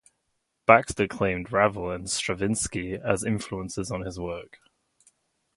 Baxter claimed Ravel and Stravinsky as influences on his work.